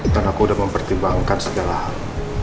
dan aku udah mempertimbangkan segala hal